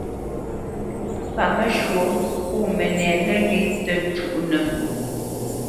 Paməshwɔ̌ nə́ mənɛ̂ nə́ghé tə́ njúʼnə́.